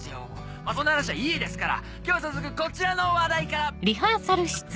まぁそんな話はいいですから今日は早速こちらの話題から！